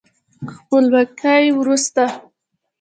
خپلواکۍ وروسته